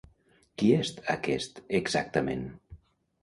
Qui és aquest exactament?